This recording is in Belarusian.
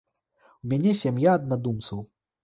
У мяне сям'я аднадумцаў.